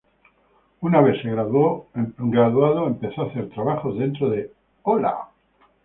Una vez se graduó empezó a hacer trabajos dentro de Hello!